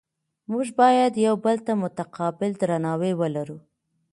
موږ باید یو بل ته متقابل درناوی ولرو